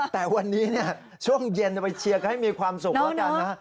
แต่วันนี้เนี่ยช่วงเย็นไปเชียกให้มีความสุขละกัน